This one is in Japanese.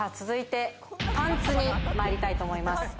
続いてパンツに参りたいと思います。